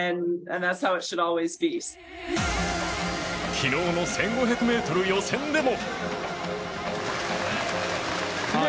昨日の１５００ｍ予選でも。